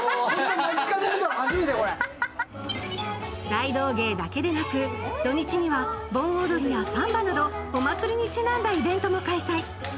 大道芸だけでなく、土日には盆踊りやサンバなど、お祭りにちなんだイベントも開催。